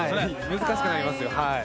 難しくなりますはい。